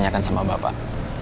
kalau nggak jawab